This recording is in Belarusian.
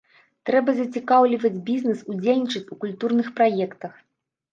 Трэба зацікаўліваць бізнэс удзельнічаць у культурных праектах.